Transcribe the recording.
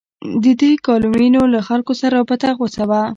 د دې کالونیو له خلکو سره رابطه غوڅه وه.